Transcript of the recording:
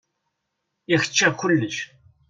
Yak ččiɣ kulec.